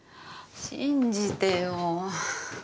信じてよ